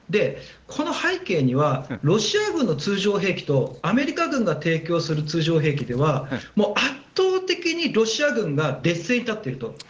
この背景にはロシア軍の通常兵器とアメリカ軍が提供する通常兵器では圧倒的にロシア軍が劣勢に立っていると。